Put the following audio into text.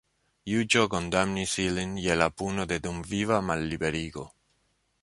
Juĝo kondamnis ilin je la puno de dumviva malliberigo.